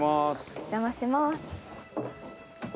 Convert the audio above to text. お邪魔します。